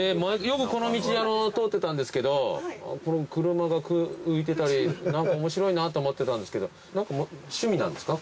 よくこの道通ってたんですけど車が浮いてたり何か面白いなと思ってたんですけど趣味なんですか？